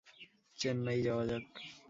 চেন্নাই যাওয়া যাক।